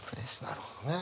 なるほどね。